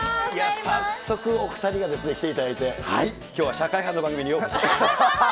早速お２人が来ていただいて、きょうは社会派の番組にようこそ。